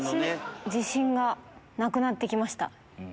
自信がなくなって来ました。